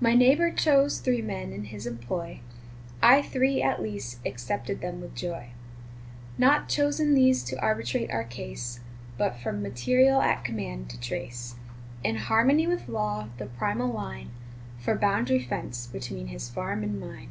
My neighbor chose three men in his employ, I three, at least, accepted them with joy; Not chosen these to arbitrate our case, But from material at command to trace, In harmony with law, the primal line For boundary fence, between his farm and mine.